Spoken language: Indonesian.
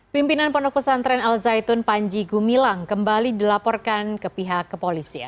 pimpinan pondok pesantren al zaitun panji gumilang kembali dilaporkan ke pihak kepolisian